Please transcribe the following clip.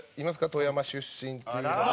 富山出身っていうので。